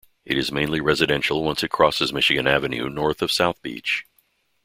It is mainly residential once it crosses Michigan Avenue north of South Beach.